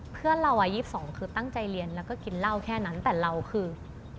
เพื่อนเราวัย๒๒คือตั้งใจเรียนแล้วก็กินเหล้าแค่นั้นแต่เราคือ